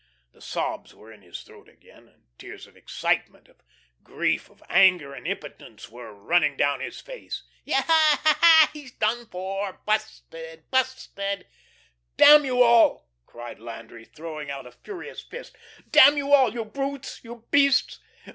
The sobs were in his throat again, and tears of excitement, of grief, of anger and impotence were running down his face. "Yah h h. Yah h h, he's done for, busted, busted!" "Damn you all," cried Landry, throwing out a furious fist, "damn you all; you brutes, you beasts!